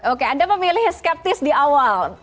oke anda memilih skeptis di awal